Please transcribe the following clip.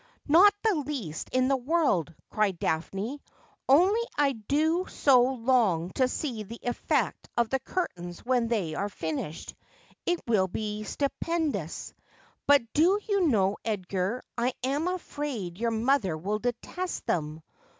' Not the least in the world,' cried Daphne ;' only I do so long to see the effect of the curtains when they are finished. It will be stupendous. But do you know, Edgar, I am afraid your mother will detest them.